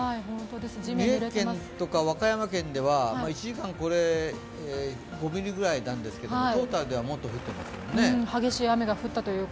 三重県とか和歌山県では１時間で５ミリぐらいなんですけど、トータルではもっと降ってますもんね。